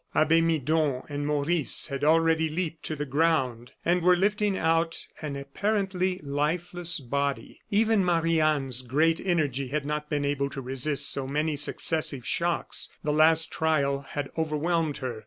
Abbe Midon and Maurice had already leaped to the ground and were lifting out an apparently lifeless body. Even Marie Anne's great energy had not been able to resist so many successive shocks; the last trial had overwhelmed her.